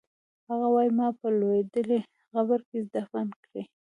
هغه وایی ما په لوېدلي قبر کې دفن کړئ